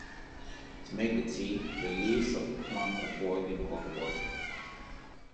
To make the tea, the leaves of the plant are boiled in hot water.